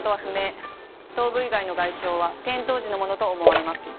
頭部以外の外傷は転倒時のものと思われます。